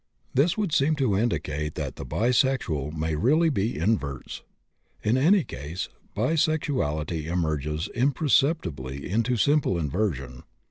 This would seem to indicate that the bisexual may really be inverts. In any case bisexuality merges imperceptibly into simple inversion.